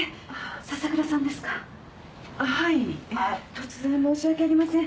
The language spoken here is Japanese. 突然申し訳ありません